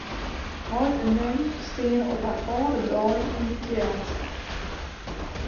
Heit en mem steane op har âlde dei yn 'e kjeld.